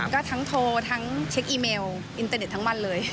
ก็ทั้งโทรทั้งเช็คอีเมลอินเตอร์เน็ตทั้งวันเลย